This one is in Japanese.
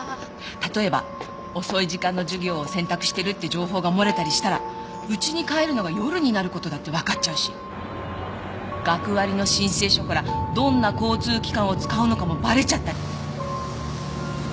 例えば遅い時間の授業を選択してるって情報が漏れたりしたら家に帰るのが夜になる事だってわかっちゃうし学割の申請書からどんな交通機関を使うのかもバレちゃったり。